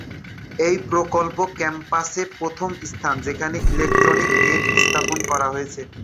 এই প্রকল্প ক্যাম্পাসে প্রথম স্থান যেখানে ইলেকট্রনিক গেট স্থাপন করা হয়েছে।